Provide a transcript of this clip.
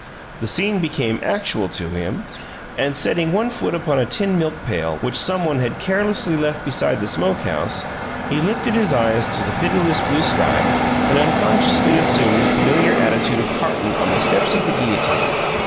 The scene became actual to him, and, setting one foot upon a tin milk pail which some one had carelessly left beside the smoke house, he lifted his eyes to the pitiless blue sky and unconsciously assumed the familiar attitude of Carton on the steps of the guillotine.